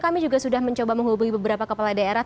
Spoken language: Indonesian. kami juga sudah mencoba menghubungi beberapa kepala daerah